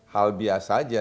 hal biasa aja